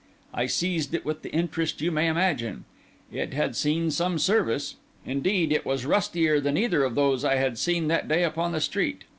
I seized it with the interest you may imagine. It had seen some service; indeed, it was rustier than either of those I had seen that day upon the street.